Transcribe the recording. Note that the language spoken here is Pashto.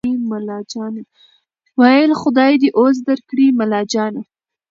ویل خدای دي عوض درکړي ملاجانه